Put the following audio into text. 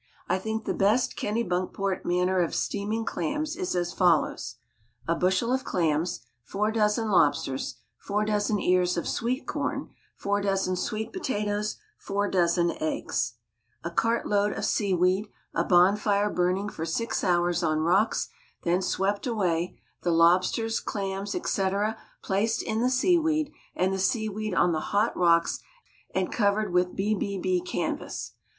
I think the best Kennebunkport manner of steaming clams is as follows: A bushel of clams 4 dozen lobsters 4 dozen ears of sweet corn 4 dozen sweet potatoes 4 dozen eggs A cartload of seaweed, a bonfire burning for six hours on rocks, then swept away ; the lobsters, clams, etc., placed in the seaweed, and the seaweed on the hot rocks and covered with BBB canvas.